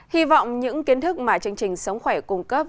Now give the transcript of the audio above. hy vọng những kiến thức mà chương trình sống khỏe cung cấp